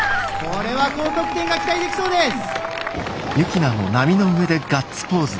これは高得点が期待できそうです。